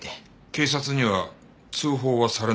警察には通報はされなかったんですか？